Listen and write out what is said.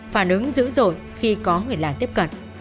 phản ứng dữ dội khi có người lạ tiếp cận